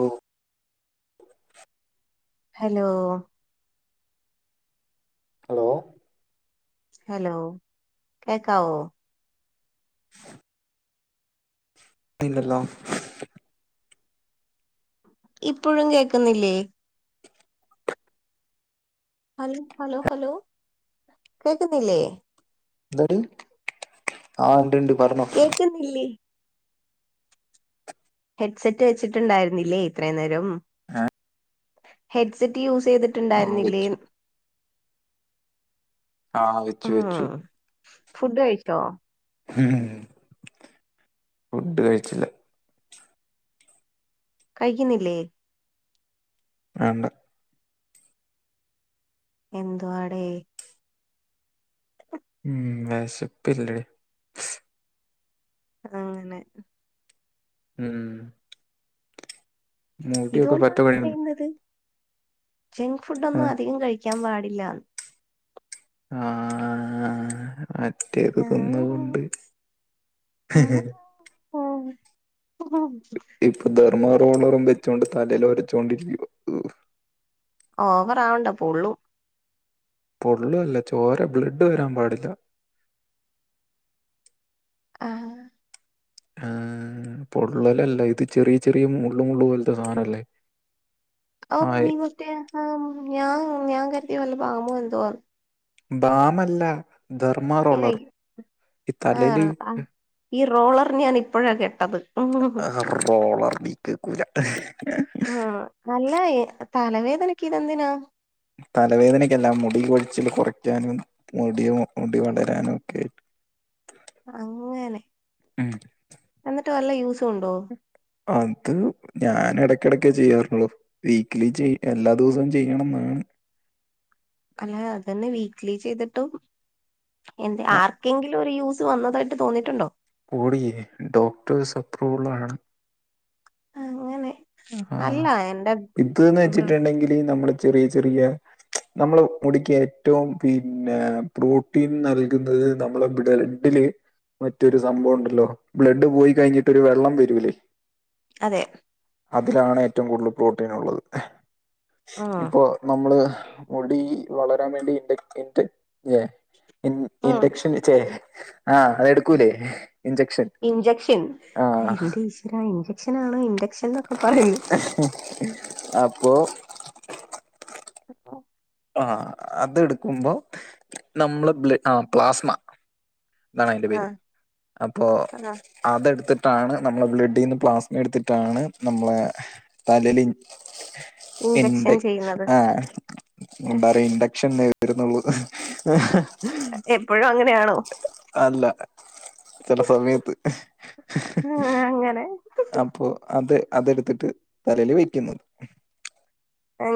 ഓ hello.. hello hello കേക്കാവോ.. [inaudible] ത്തില്ലല്ലോ.. ഇപ്പോഴും കേക്കുന്നില്ലേ.. ഹൽ, ഹലോ, ഹലോ, കേക്കുന്നില്ലേ.. ന്തടി. ആഹ് ണ്ട് ണ്ട്. പർണോ.. കേക്ന്നില്ലേ.. ഹെഡ്സെറ്റ് വെച്ചിട്ട്ണ്ടായിരുന്നില്ലേ. ഇത്ര നേരം. ഏ ഹെഡ്സെറ്റ് യൂസ് യ്തി ആ വെച്ചു ട്ട്ണ്ടാര്ന്നില്ലേന്ന്.. ആ വെച്ചു ഉം വെച്ചു ഫുഡ് കയിച്ചോ.. മ്മ്ഹ്. ഫുഡ് കഴിച്ചില്ല.. കയിക്ന്നില്ലേ.. ആണ്ട്.. എന്തുവാടേ.. [inaudible] മ്മ്ഹ് വെഷപ്പില്ലേ.. ആഹ് അങ്ങനെ.. ഉം.. മുടിയൊക്കെ പറ്റ ഇതുകൊണ്ടാണ്. കഴിയണം പറയുന്നത് ജങ്ക് ഫുഡോന്നും. അധികം കഴിക്കാൻ പാടില്ലന്ന്.. ആ ആ ആ ആ ആ മറ്റേത് ആ തിന്ന്കൊണ്ട്.. [inaudible] ഇപ്പ ധർമ്മറോളറും. വെച്ചോണ്ട് തലയൊരചൊണ്ടിരിക്യ.. ഓവറാവണ്ട. പോള്ളൂ.. പൊള്ളുല്ല. ചോര ബ്ലഡ് വരാൻ പാടില്ല.. ആ ആ ആ.. ആ. ആ പൊള്ളലല്ല. ഇത് ചെറിയ ചെറിയ. മുള്ള്. മുള്ള് പോൽത്തെ സാധനല്ലേ.. ഓ. ആ നീ. മുട്ടിയേ. ഞാൻ ഞാൻ കരുതിയ. വല്ല ബാമോ എന്തോ.. ബാമല്ല ഇല്ലേ ധർമാറോളർ ഈ ആ തലേല് ആ ഈ റോളർ ഞാൻ ഇപ്പോഴാണ് കെട്ടത് ആറോളർ നീ കേക്കൂല ഉം അല്ല തലവേദനക്ക് ഇതെന്തിനാ തലവേദനക്കല്ല മുടി കൊഴിച്ചിൽ കുറയ്ക്കാനും മുടി മുടി വളരാനും ഒക്കെ അങ്ങനെ ഉം. എന്നിട്ട് വല്ല യൂസു ഉണ്ടോ അത് ഞാനെടക്കെടക്കെ ചെയ്യാറുള്ളു വീക്കലി ചെയ്യും എല്ലാ ദിവസവും ചെയ്യണംന്നാണ് അല്ല അതെ വീക്ക്ലി ചെയ്തിട്ടും എ ആ ആർക്കെങ്കിലും യൂസ് വന്നതായിട്ട് തോന്നിട്ടുണ്ടോ പൊടിയെ ഡോക്ടേഴ്സ് അപ്രൂവുള്ളതാണ് അങ്ങനെ ആ അല്ല എന്റെ ഇത് ന്ന് ബ്ര വെച്ചിട്ടുണ്ടെങ്കില് നമ്മള് ചെറിയ ചെറിയ നമ്മളെ മുടിക്ക് ഏറ്റവും പിന്നെ പ്രോട്ടീൻ നൽകുന്നത് നമ്മളെ ബ്ലഡില് മറ്റൊരു സംഭവം ഉണ്ടല്ലോ ബ്ലഡ് പോയി കഴിഞ്ഞിട്ട് ഒരു വെള്ളം വരൂല്ലേ അതെ അതിലാണ് ഏറ്റവും കൂടുതൽ പ്രോട്ടീൻ ഉള്ളത് ഉം ഇപ്പോ നമ്മള് മുടി വളരാൻ വേണ്ടി ഇ ഇ ഉം ഇൻഡക്ഷൻ ചെ ആഹ് അതെടുക്കൂലേ ഇഞ്ചക്ഷൻ ആഹ് ഇ ഇൻചക്ഷൻ ആണ് ഇൻചക്ഷൻ നൊക്കെ പറയുന്നത് അപ്പോ എപ്പോ ആഹ് അതെടുക്കുമ്പോ നമ്മള് ബ്ല ആ പ്ലാസ്മ ഇതാണ് അയ്ന്റെ ആ പേര് അപ്പൊ ആ അതെടുത്തിട്ടാണ് നമ്മളെ ബ്ലഡിൽന്ന് പ്ലാസ്മ എടുത്തിട്ടാണ് നമ്മളെ തലല് ഇഞ്ചക്ഷൻ എന്റെ ചെയ്യുന്നത് ആഹ് ന്താറ ഇൻഡക്ഷൻ വരുന്നുള്ളൂ എപ്പോഴും അങ്ങനെയാണോ അല്ല ചില സമയത്ത് അങ്ങനെ അപ്പോ അത് അതെടുത്തിട്ട് തലേൽ വെക്കുന്നത്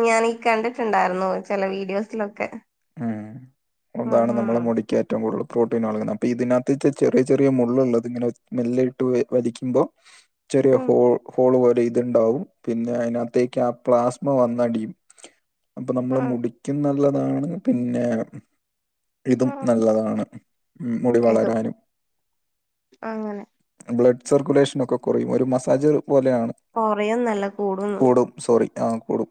ഞാൻ ഈ കണ്ടിട്ടുണ്ടായിരുന്നു ചില വീഡിയോസിലൊക്കെ ഉം ഉം അന്താണ് ഉം നമ്മളെ മുടിക്ക ഏറ്റവും കൂടുതൽ പ്രോട്ടീൻ ആളുന്നത് അപ്പൊ ഇതിനകത്ത ചെറിയ ചെറിയ മുളള് ഉള്ളത് ഇങ്ങനെ മെല്ല ഇട്ട് വലിക്കുമ്പ ചെറിയ ഉം ഹോൾ ഹോള് പോലെ ഇതുണ്ടാവും പിന്നെ അതിനകത്തേക്ക് ആ പ്ലാസ്മ വന്നടിയും അപ്പൊ നമ്മള് ഉം മുടിക്കും നല്ലതാണ് പിന്നെ ഇതും ഉം നല്ലതാണ് ഉം മുടി ഏതോ വളരാനും അങ്ങനെ ബ്ലഡ് സർക്കുലേഷനൊക്കെ കുറയും ഒരു മസാജ് പോലെയാണ് കൊറയും നല്ല കൂടുംന്ന് കൂടും സോറി ആഹ് കൂടും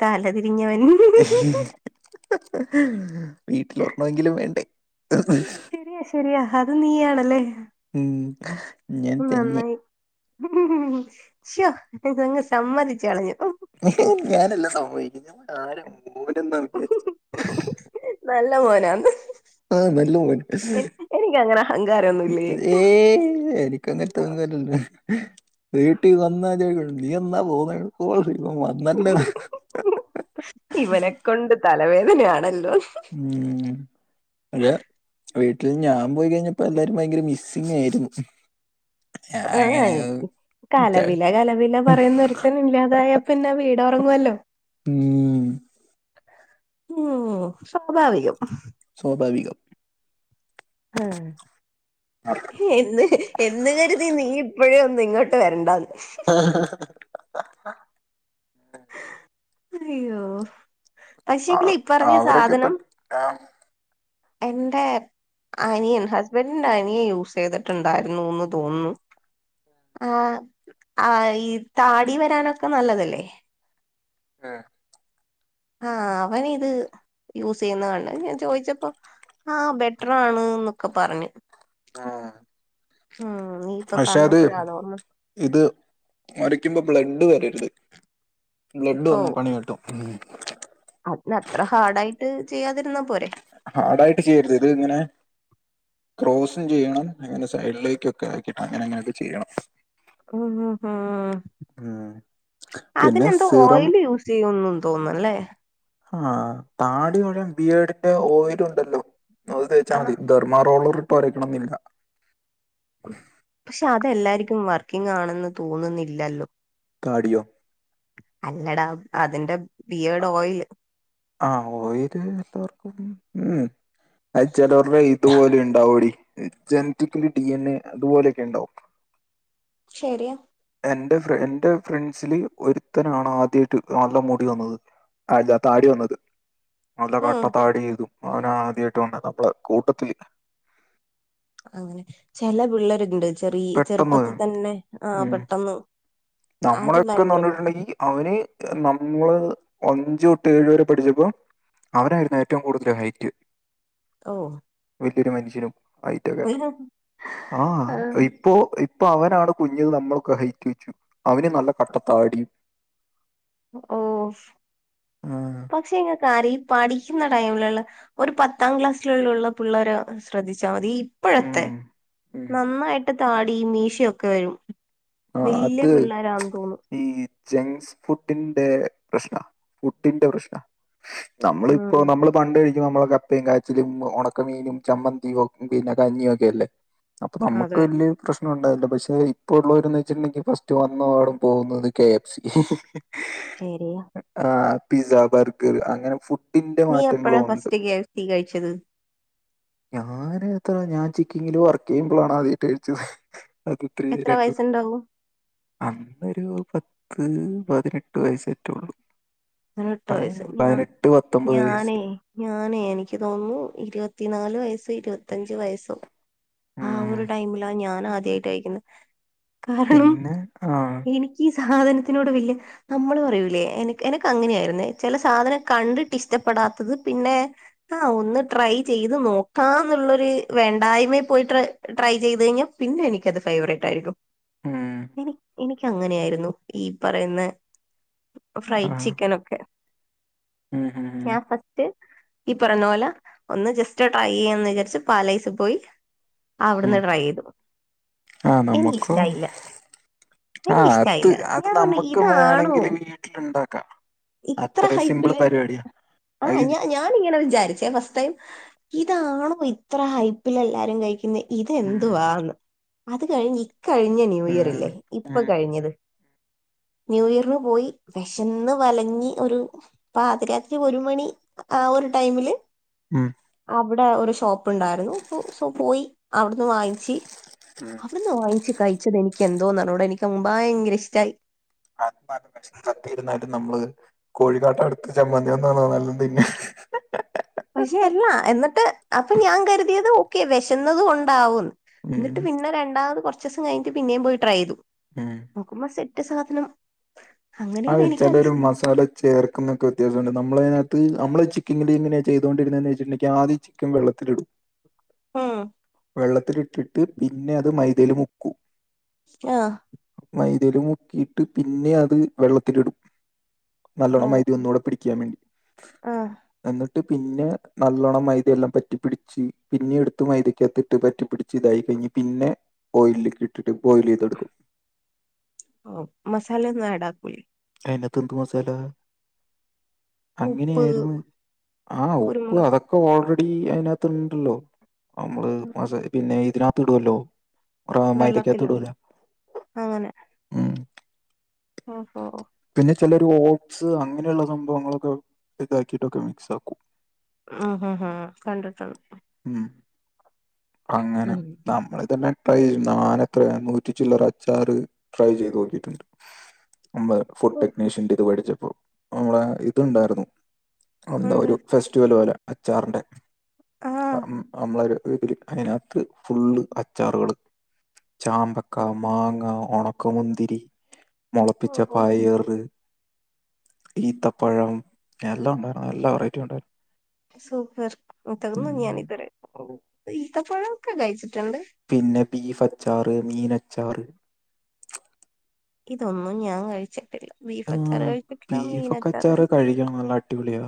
തല തിരിഞ്ഞവൻ വീട്ടില് ഒർണമെങ്കിലും വേണ്ടേ ശരിയാ ശരിയാ അത് നീ ആണല്ലേ ഉം ഞാൻ തന്നെ നന്നായി ശ്യോ ഇതങ്ങ് സമ്മതിച്ച് കളഞ്ഞു ഞാനെല്ലാം സംഭവിക്കുന്ന ആര നല്ല മോനാന്ന് ആ നല്ല മോൻ എനിക്കങ്ങനെ അഹങ്കാരം ഒന്നുമില്ലേ ഏയ് എനിക്കങ്ങനെ തോന്നലല്ലോ വീട്ടി വന്ന നീ എന്നാ പോകുന്ന [unintelligible] ഇവനെ കൊണ്ട് തലവേദനയാണല്ലോ ഉം അല്ല വീട്ടിൽ ഞാൻ പോയി കഴിഞ്ഞപ്പോ എല്ലാരും ഭയങ്കര മിസ്സിങ്ങായിരുന്നു. ഏഹ് ച- കലപില കലപില പറയുന്നൊര്ത്തന്ല്ലാതായ പിന്നെ ആ വീടൊറങ്ങോല്ലോ ഉം ഉം സ്വാഭാവികം സ്വാഭാവികം ആഹ് ന്ന എന്ന് എന്ന് കരുതി നീ ഇപ്പഴേ ഒന്ന് ഇങ്ങോട്ട് വരെണ്ടാന്ന് ആഹ് അയ്യോ പക്ഷെങ്കില് ഇ പ്പറഞ്ഞ സാധനം ആഹ് എന്റേ അനിയൻ ഹസ്ബൻഡിന്റെ അനിയെ യൂസയ്തിട്ടുണ്ടായിരുന്നുന്ന് തോന്നുന്നു ആഹ് ആ ഈ താടി വരാനൊക്കെ നല്ലതല്ലേ ആഹ് ആഹ് അവനിത് യൂസീയ്യ്ന്നത് കണ്ട് ഞാൻ ചോദിച്ചപ്പോ ആഹ് ബെറ്ററാണ്ന്നൊക്കെ പറഞ്ഞു ആഹ് ഉം നീ ഇപ്പൊ പക്ഷെ അത് പറഞ്ഞപ്പഴാ അതോർമ്മ ഇത് മറിക്കുമ്പോ ബ്ലഡ് വരരുത് ബ്ലഡ് വന്നാ പണി കിട്ടും അപ്പൊ അത്ര ഹാർഡായിട്ട് ചെയ്യാതിരുന്നാ പോരെ ഹാടായിട്ട് ചെയ്യരുത് ഇത്ങ്ങനെ ക്രോസും ചെയ്യണം അങ്ങനെ സൈഡിലേക്കൊക്കെ ആക്കിട്ടങ്ങനെങ്ങനൊക്കെ ചെയ്യണം. ഉം ഹു ഹാ ഉം പിന്നെ അതിനെന്തോ സിറം ഓയിൽ യൂസീയ്യുന്ന് തോന്നുംല്ലേ ആഹ് താടി മുഴൻ ബിയേർഡിന്റെ ഓയിലുണ്ടല്ലോ അത് തേച്ചാ ആഹ് മതി. ധർമാറോളർ ഇട്ട് ഒരയ്ക്കണന്നില്ല. പക്ഷെ അതെല്ലാര്ക്കും വർക്കിംഗാണെന്ന് തോന്നുന്നില്ലല്ലോ താടിയോ അല്ലടാ അതിന്റെ ബിയേർഡ് ഓയില് ആ ഓയില് എല്ലാർക്കും ഉം അത് ചെലോരുടെ ഇതുപോലെണ്ടാവൊടി ജനറ്റിക്കീല് ഡി എൻ എ അതുപോലോക്കെണ്ടാവും. ശരിയ എന്റെ എന്റെ ഫ്രണ്ട്സില് ഒരുത്തനാണാദ്യായിട്ട് നല്ല മുടി വന്നത്. അതെ താടി വന്നത് നല്ല ഉം കട്ടത്താടീയ്തു അവനാദ്യായിട്ട് വന്നത് നമ്മളെ കൂട്ടത്തില് അങ്ങനെ ചെല പിള്ളേരുണ്ട് ചെറിയ പെട്ടെന്ന് ചെറുപ്പത്തിൽ തന്നെ ആ പെട്ടെന്ന് അത് നമ്മളൊക്കെന്ന് ഭയങ്കര ബു പറഞ്ഞിട്ടുണ്ടെങ്കി അവന് നമ്മള് അഞ്ച് തൊട്ട് ഏഴു വരെ പഠിച്ചപ്പോ അവനായിരുന്നു ഏറ്റവും കൂടുതല് ഹൈറ്റ് ഓഹ് വലിയൊരു മനുഷ്യനും ഹൈറ്റൊക്കെ ആ ഇ ആഹ് ഇപ്പൊ ഇപ്പൊ അവനാണ് കുഞ്ഞത് നമ്മളൊക്കെ ഹൈറ്റ് വെച്ചു. അവന് നല്ല കട്ടത്താടിം ഓ ഉം. പക്ഷെ ങ്ങൾക്കറി പഠിക്കുന്ന ടൈമിലുള്ള ഒരു പത്താം ക്ലാസ്സിലുള്ള ഉള്ള പിള്ളേരെ ശ്രദ്ധിച്ചാൽ മതി ഇപ്പോഴത്തെ ഉം. നന്നായിട്ട് താടിം മീശൊക്കെ വരും ആഹ് വല്യ അത് പിള്ളേരാന്ന് തോന്നും ഈ ജങ്ക്സ് ഫുഡിന്റെ പ്രശ്ന ഫുഡിന്റെ പ്രശ്ന നമ്മള ഇപ്പോ ഉം നമ്മള് പണ്ട് കഴിക്കുമ്പോ നമ്മെ കപ്പയും കാച്ചിലും ഉണക്കമീനും ചമ്മന്തിയും പിന്നെ കഞ്ഞിയും ഒക്കെ അല്ലേ അപ്പൊ നമുക്ക് അതെ വലിയ പ്രശ്നം ഉണ്ടാവില്ല പക്ഷെ ഇപ്പ ഉള്ള ഇപ്പ എന്നാ വെച്ചട്ടുണ്ടെങ്കിൽ ഫസ്റ്റ് വന്നപാടും പോകുന്നത് കെ എഫ് സി ശരിയാ ആഹ് പിസ്സ ബർഗർ അങ്ങനെ ഫുഡ് നീ എപ്പഴാ ഫസ്റ്റ് കെ എഫ് സി കഴിച്ചത് ഞാൻ എത്ര ഞാൻ ചിക്കിങ്ങില് വർക്ക് ചെയ്യുമ്പോളാണ് ആദ്യമായിട്ട് കഴിച്ചത് അത ത്തിരി എത്ര രണ്ടു വയസ്സുണ്ടാവും അന്നൊരു പത്ത് പതിനെട്ട് വയസ്സറ്റേള്ളു പതിനെട്ട് വയസ്സ് ഞാ പതിനെട്ട് പത്തൊമ്പത് വയസ്സ് ഞാനേ ഞാനേ എനിക്ക് തോന്നുന്നു ഇരുപത്തിനാല് വയസ്സ ഇരുപത്തയഞ്ച് വയസ്സോ ആ ഉം ഒരു ടൈമിലാ ഞാൻ ആദ്യായിട്ട കഴിക്കുന്ന കാരണം പിന്നെ ആഹ് എനിക്ക് സാധനത്തിനോട് വല്യ നമ്മള് പറയൂലേ എനക്ക് എക്ക് അങ്ങനെയായിരുന്നേ ചില സാധനം കണ്ടിട്ട് ഇഷ്ടപ്പെടാത്തത് പിന്നെ ആ ഒന്ന് ട്രൈ ചെയ്ത് നോക്കാ എന്നുള്ളരു വേണ്ടായ്മ പോയിട്ട് ട്രൈ ചെയ്ത് കഴിഞ്ഞാൽ പിന്നെ എനിക്കത് ഫേവറേറ്റ് ആയിരിക്കും ഉം എനിക്കങ്ങനെയായിരുന്നു ഈ പറയുന്ന ഫ്രൈഡ് ചി ആഹ് ക്കനൊക്കെ ഉം ഉം ഉം ഞാ ഫസ്റ്റ് ഈ പറഞ്ഞ പോലെ ഒന്ന് ജസ്റ്റ് ട്രൈ ചെയ്യന്ന് വിചാരിച്ചു പാലൈസ് പോയി അവിടുന്ന് ഉം ട്രൈ ചെയ്തു ആഹ് നമക്ക എനിക്കിഷ്ടായില്ല ആഹ് അത് എനിക്കിഷ്ടായില്ല അത് ഞാൻ പറഞ്ഞു നമുക്ക് ഇതാണോ വേണമെങ്കില് വീട്ടിലുണ്ടാക്കാം ഇത്ര അത്ര സിമ്പിൾ ഹൈപ്പില് പരിപാടിയാ ആഹ് ഞാ ഞാനിങ്ങനെ വിചാരിച്ചേ ഫസ്റ്റ് ടൈം ഇതാണോ ഇത്ര ഹൈപ്പിൽ എല്ലാരും കഴിക്കുന്ന ഉം ഇതെന്തുവാന്ന് അത് കഴിഞ്ഞ് ഇക്കഴിഞ്ഞ ന്യൂ ഇയർ ഏഹ് ഇല്ലേ ഇപ്പൊ ഉം കഴിഞ്ഞത് ന്യൂ ഇയറിന് പോയി വിഷ ചെന്ന് വലങ്ങി ഒരു പതിരാത്രി ഒരു മണി ആ ഒരു ടൈമില് ഉം അവിടെ ഒരു ഷോപ്പ് ഉണ്ടായിരുന്നു അപ്പൊ സോ പോയി അവിടുന്ന് വാങ്ങിച്ച് ഉം അവിടുന്ന് വാങ്ങിച്ച് കഴിച്ചത് എനിക്ക് എന്തോന്നറിഞ്ഞൂടാ എനിക്ക് ഭയങ്കര ഇഷ്ടമായി ആക്ഷ കത്തിയിരുന്നാലും നമ്മള് കോഴിക്കാട്ട അടുത്ത ചമ്മന്തി ഒന്നാണോ നല്ലതിന്നെ പക്ഷെ അല്ല എന്നിട്ട് അപ്പൊ ഞാൻ കരുതിയത് ഓക്കെ വിശന്നതും കൊണ്ടാവുംന്ന് ഉം എന്നിട്ട് പിന്നെ രണ്ടാമത് കുറച്ച ദിവസം കഴിഞ്ഞിട്ട പിന്നേ പോയി ട്രൈ ചെയ്തു ഉം നോക്കുമ്പ സെറ്റ് സാധനം അങ്ങനെയാണ് അത് ചില ഒരു എനിക്കതിഷ്ടം മസാല ചേർക്കുന്നൊക്കെ വ്യത്യാസമണ്ട് നമ്മളതിനകത്ത് നമ്മൾ ചിക്കിങ്ങില എങ്ങനെ ചെയ്തുകണ്ടിരുന്നതെന്ന് വച്ചിട്ടണ്ടെങ്കിൽ ആദ്യം ചിക്കൻ വെള്ളത്തിലിടും ഉം വെള്ളത്തിലിട്ടിട്ട് പിന്നെ അത് മൈദയിൽ മുക്കും ആഹ് മൈതല മുക്കിയിട്ട് പിന്നെ അത് വെള്ളത്തിലിടും ഓ നല്ലോണം മൈത ഒന്നുടെ പിടിക്കാൻ വേണ്ടി ആഹ് എന്നിട്ട് പിന്നെ നല്ലോണം മൈദെല്ലാം പറ്റിപ്പിടിച്ച് പിന്നെ എടുത്ത് മൈദക്കകത്തിട്ട് പറ്റിപ്പിടി ച ഇതായി കഴിഞ്ഞ് പിന്നെ ഓയിലിക്ക് ഇട്ടിട്ട് ബോയിൽ ചെയ്തെടുക്കും ഓ മസാല ഒന്ന ആഡ് ആക്കൂലെ അയിനകതെന്ത് മസല്ല ഉപ്പ് അങ്ങനെയായിരുന്നു ആ ഉപ്പ് കുരുമുളക് അതൊക് ക്കെ ഓൾറെഡി അതിനകത്ത്ണ്ടല്ലോ നമ്മള് മ സ പിന്നെ ഇതിനകത്ത് ഇടുവല്ലോ പ്ര മൈതക്കാത്ത് വെള്ളത്തിലോ ഇടൂല അങ്ങനെ ഉം ഓഹോ പിന്നെ ചിലര് ഓട്സ് അങ്ങനെയുള്ള സംഭവങ്ങളൊക്കെ ഇതാക്കിട്ടൊക്കെ മിക്സ് ആക്കും ഉം ഹം ഹ കണ്ടിട്ടുണ്ട് ഉം അങ്ങനെ ഉം നമ്മളതന്നെ ട്രൈ ചെയ നാന എത്രയാ നൂറ്റി ചില്ലറ അച്ചാറ് ട്രൈ ചെയ്ത് നോക്കിയിട്ടുണ്ട് നമ്മ ഫുഡ് ടെക്നീഷ്യന്റെ ഇത് പഠിച്ചപ്പോ നമ്മള ഇതുണ്ടായിരുന്നു എന്താ എന്ത് ഒരു ഫെസ്റ്റിവൽ പോലെ അച്ചാറിന്റെ ആഹ് അം മ്മളൊരു ഇതില് അതിനകത്ത് ഫുള്ള് അച്ചാറുകള് ചാമ്പക്ക മാങ്ങ ഉണക്ക മുന്തിരി മുളപ്പിച്ച ഓ ഓ പായറ് ഈത്തപ്പഴം എല്ലാം ഉണ്ടായിരുന്നു എല്ലാ വെറൈറ്റി ഉണ്ടായിരുന്നു സൂപ്പർത്തന്നു ഉം. ഞാൻ ഇതുവരെ ഈത്തപ്പഴമൊക്കെ കഴിച്ചിട്ടുണ്ട് പിന്നെ ബീഫ് അച്ചാറ് മീനച്ചാറ് ഇതൊന്നും ഞാൻ കഴിച്ചിട്ടില്ല ബീഫ് അച്ചാറ് കഴിച്ചിട്ടില്ല മീൻ അച്ചാറ് കഴിച്ചി നല്ല അടിപൊളിയ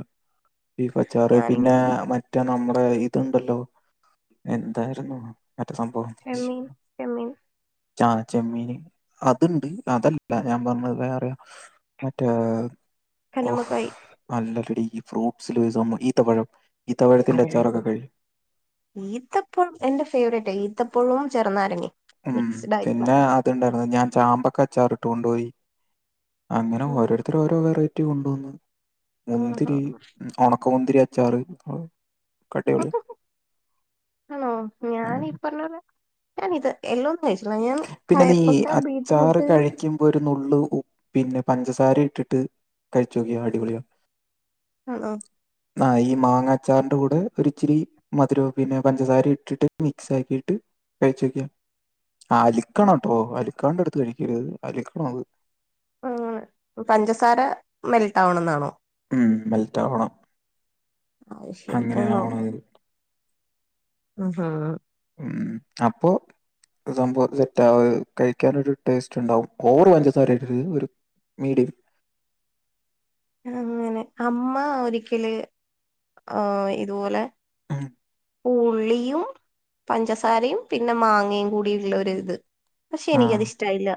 ബീഫ് അച്ചാറ് പിന്നെ ഞാനിങ്ങനെ മ മറ്റേ നമ്മുടെ ഇതുണ്ടല്ലോ എന്തായിരുന്നു മറ്റ സംഭവം ചെമ്മീൻ ചെമ്മീൻ ചാ ചെമ്മീന് അതുണ്ട് അതല്ല ഞാൻ പറഞ്ഞത് വേറെയ മറ്റേ ഓഹ് കല്ലുമ്മക്കായ് അല്ല ഗടി ഈ ഫ്രൂട്ട്സില് ഒരു സംഭവം ഈത്ത പഴം അതെ ഈത്തപ്പഴം എന്റെ ഫേവറേറ്റ് ഈത്തപ്പഴും ചെറുനാരങ്ങേം ഉം പിന്നെ അത്ണ്ടായിരുന്നു ഞാൻ ചാമ്പക്ക അച്ചാറിട്ട് കൊണ്ട്പോയി അങ്ങനെ ഓരോരുത്തർ ഓരോ വെറൈറ്റി കൊണ്ടുവന്ന് ആഹാ മുന്തിരി ഉണക്കമുന്തിരി അച്ചാറ് അടിപൊളി ഹലോ ഞാൻ ഉം. പറഞ്ഞോലെ ഞാനിത് എല്ലാം കഴസ ഞാൻ പിന്നെ നീ കയപ്പക്ക അച്ചാറ് ബീറ്റ്റൂട്ട് കഴിക്കുമ്പോ ഒരു നുള്ള് ഉ പിന്നെ പഞ്ചസാര ഇട്ടിട്ട് കഴിച്ച് നോക്കിയെ അടിപൊളിയ ആണോ ആഹ് ഈ മാങ്ങാച്ചാറിന്റെ കൂടെ ഒരിച്ചിരി മധുരവും പിന്നെ പഞ്ചസാര ഇട്ടിട്ട് മിക്സ് ആക്കിയിട്ട് കഴച്ച് നോക്കിയേ അലിക്കണംട്ടോ അലിക്കാണ്ട് അടുത്ത് കഴിക്കരുത് അലിക്കണം അത് ആഹ് പഞ്ചസാര മെൽട്ട് ആവാണന്നാണോ ഉം മെൽറ്റാവണം അത് ശരി അന്നോ ആവണം അത്. ഉം ഹ് ഉം അപ്പൊ സംഭവ സെറ്റ്അവ കഴിക്കൻ ഒരു ടേസ്റ്റ് ഉണ്ടാവും ഓവറ് പഞ്ചസാര ഇടരുത് മീഡിയം അങ്ങനെ അമ്മ ഒരിക്കല് ആഹ് ഇതുപോലെ ഉം പൂള്ളിയും പഞ്ചസാരയും പിന്നെ മാങ്ങയും കൂടിയുള്ള ഒരു ഇത് പക്ഷെ ആഹ് എനിക്കത് ഇഷ്ടയില്ല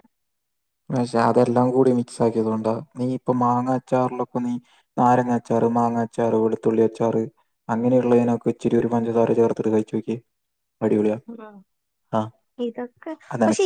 പക്ഷെ അതെല്ലാം കൂടി മിക്സ് ആക്കിയത് കൊണ്ട നീ ഇപ്പ മാങ്ങ അച്ചാറിലൊക്കെ നീ നാരങ്ങാച്ചാറ് മാങ്ങാച്ചാറ് വെളത്തുള്ളി അച്ചാറ് അങ്ങനെയുള്ളതിനൊക്കെ ഇച്ചിരി ഒരു പഞ്ചസാര ചേർത്തിട്ട് കിയ്ച്ചോക്കേ അടിപൊളിയാ ഉം. ആ ഇതൊക്കെ അതാണ് പക്ഷെ